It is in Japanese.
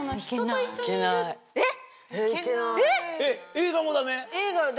映画もダメ？